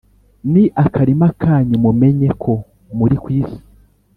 ni akarima kanyu, mumenye ko muri ku isi,